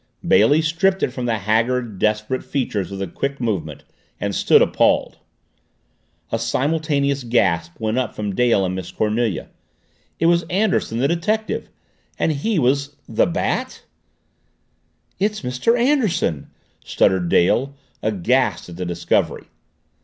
Bailey stripped it from the haggard, desperate features with a quick movement and stood appalled. A simultaneous gasp went up from Dale and Miss Cornelia. It was Anderson, the detective! And he was the Bat! "It's Mr. Anderson!" stuttered Dale, aghast at the discovery.